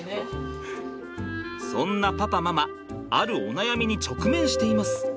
そんなパパママあるお悩みに直面しています。